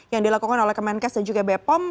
yang dilakukan oleh kemenkes dan juga bepom